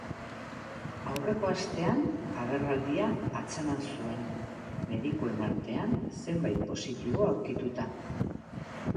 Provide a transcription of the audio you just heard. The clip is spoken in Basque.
Aurreko astean agerraldia atzeman zuen, medikuen artean zenbait positibo aurkituta.